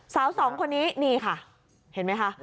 สาวสองคนนี้นี่ค่ะเห็นไหมคะ